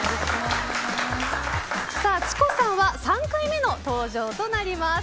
ｃｈｉｃｏさんは３回目の登場となります。